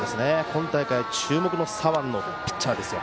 今大会注目の左腕のピッチャーです。